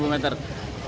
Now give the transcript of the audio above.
seribu meter ya